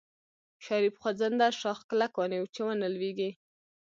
شريف خوځنده شاخ کلک ونيو چې ونه لوېږي.